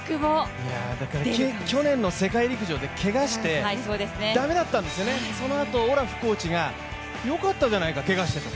去年の世界陸上で駄目だったんですよね、そのあと、オラフコーチがよかったじゃないか、けがしてと。